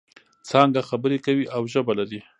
څانګه خبرې کوي او ژبه لري.